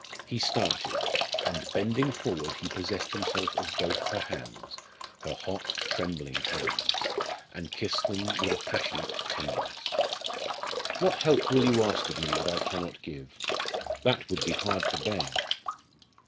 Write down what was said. He started, and bending forward he possessed himself of both her hands her hot trembling hands and kissed them with a passionate tenderness. "What help will you ask of me that I cannot give? That would be hard to bear!"